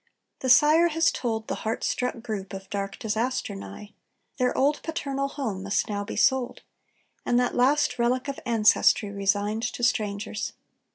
The sire has told The heart struck group of dark disaster nigh: Their old paternal home must now be sold, And that last relic of ancestry Resigned to strangers.